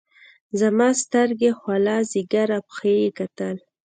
زما سترګې خوله ځيګر او پښه يې کتل.